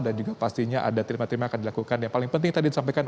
dan juga pastinya ada terima terima yang akan dilakukan yang paling penting tadi disampaikan